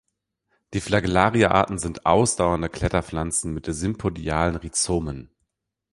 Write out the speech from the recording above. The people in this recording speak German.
Die "Flagellaria"-Arten sind ausdauernde Kletterpflanzen mit sympodialen Rhizomen.